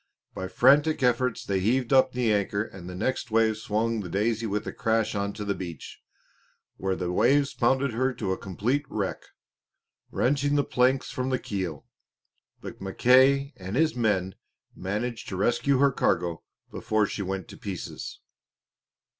By frantic efforts they heaved up the anchor and the next wave swung the Daisy with a crash onto the beach, where the waves pounded her to a complete wreck, wrenching the planks from the keel. But Mackay and his men managed to rescue her cargo before she went to pieces.